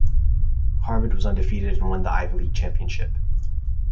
Harvard was undefeated and won the Ivy League championship.